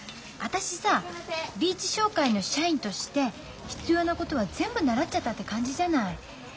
リーチ商会の社員として必要なことは全部習っちゃったって感じじゃない。